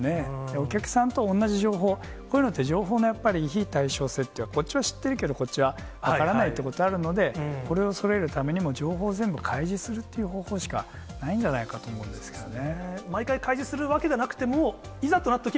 お客さんと同じ情報、こういうのって、情報の非対称性って、こっちは知ってるけど、こっちは分からないってことあるので、これをそろえるためにも、情報を全部開示するっていう方法しかないんじゃないかと思うんですけれどもね。